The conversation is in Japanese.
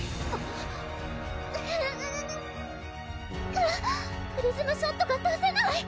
「ウゥクッ」「プリズムショットが出せない！」